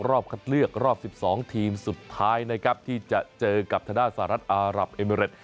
รอบคัดเลือกรอบ๑๒ทีมสุดท้ายที่จะเจอกับธนาศาสตร์อารับเอเมริ็ด